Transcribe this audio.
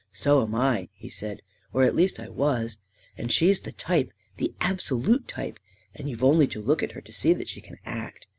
"So am I," he said; "or at least I was. And she's the type — the absolute type ; and you've only to look at her to see that she can act.